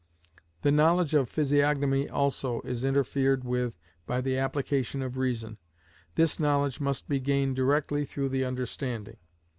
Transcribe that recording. The knowledge of physiognomy also, is interfered with by the application of reason. This knowledge must be gained directly through the understanding.